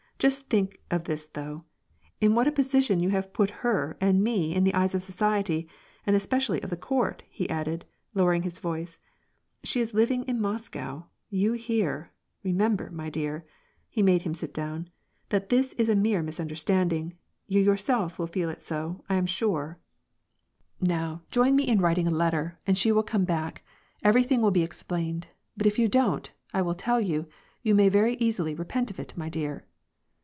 Just think of this though : in what a position you have put her and me in the eyes of society, and especially of the court," he added, lowering his voice. " She is living in Moscow, you here. Re member, my dear," — he made him sit down —" this is a mere misunderstanding; you yourself will feel so, I am sure. Now WAR AND PEACE. 87 join me in writing a letter, and she will eomeJback ; everything will be explained, but if you don't, I will tell you, you may very easily repent of it, my dear."